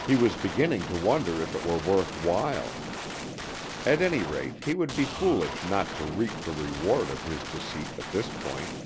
He was beginning to wonder if it were worth while. At any rate, he would be foolish not to reap the reward of his deceit at this point.